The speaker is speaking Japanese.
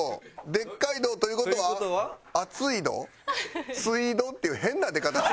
でっかいどうという事は「あついど？ツイード？」っていう変な出方して。